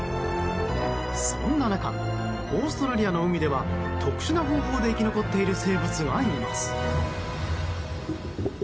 そんな中オーストラリアの海では特殊な方法で生き残っている生物がいます。